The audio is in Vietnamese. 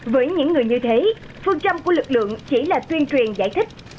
với những người như thế phương châm của lực lượng chỉ là tuyên truyền giải thích